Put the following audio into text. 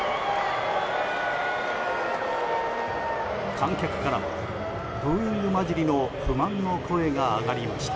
観客からはブーイング交じりの不満の声が上がりました。